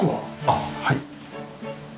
あっはい。